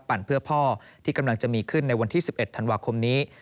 เพื่อพ่อที่กำลังจะมีขึ้นในวันที่๑๑ธันวาคมนี้